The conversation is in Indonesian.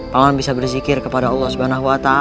paman bisa bersikir kepada allah swt